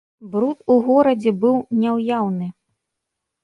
Бруд у горадзе быў няўяўны.